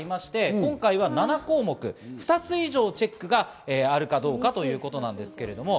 今回は７項目中２つ以上チェックがあるかどうかということです。